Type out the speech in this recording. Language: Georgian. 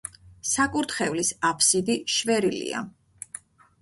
საკურთხევლის აფსიდი შვერილია.